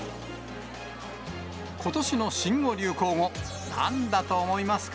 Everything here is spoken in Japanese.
ことしの新語・流行語、なんだと思いますか？